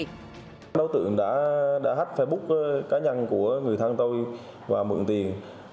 các đối tượng đã hát facebook cá nhân của người thăng tôi và mượn tiền